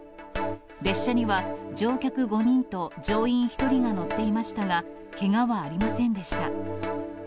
列車には乗客５人と乗員１人が乗っていましたが、けがはありませんでした。